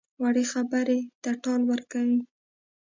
وړې خبرې ته ټال ورکوي.